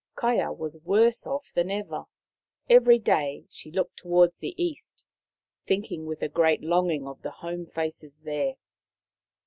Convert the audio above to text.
Kaia was worse off than ever. Every day she looked towards the East, thinking with a great longing of the home faces there.